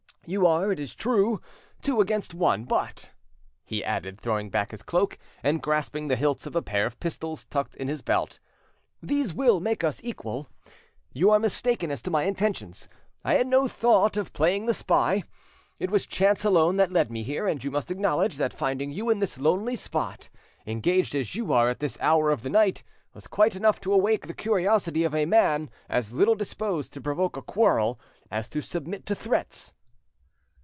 You are, it is true, two against one; but," he added, throwing back his cloak and grasping the hilts of a pair of pistols tucked in his belt, "these will make us equal. You are mistaken as to my intentions. I had no thought of playing the spy; it was chance alone that led me here; and you must acknowledge that finding you in this lonely spot, engaged as you are at this hour of the night, was quite enough to awake the curiosity of a man as little disposed to provoke a quarrel as to submit to threats."